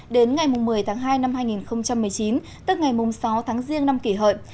đến ngày một mươi tháng hai năm hai nghìn một mươi chín tức ngày sáu tháng riêng năm kỷ hợi